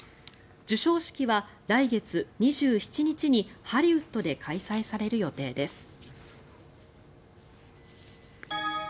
授賞式は来月２７日にハリウッドで開催される予定です。